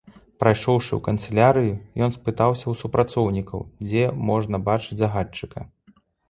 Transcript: Прыйшоўшы ў канцылярыю, ён спытаўся ў супрацоўнікаў, дзе можна бачыць загадчыка.